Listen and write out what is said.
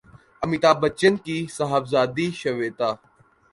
امیتابھبچن کی صاحبزادی شویتا